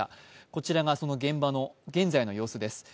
こちらがその現場の現在の様子です。